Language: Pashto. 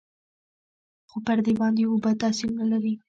خو پر دې باندې اوبه تاثير نه لري.